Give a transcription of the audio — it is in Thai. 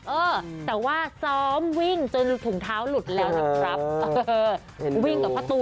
เอ้อแต่ว่าซ้อมวิ่งจนถุงเท้าหลุดแล้วสักครับ